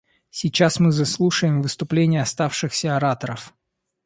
Сейчас мы заслушаем выступления оставшихся ораторов.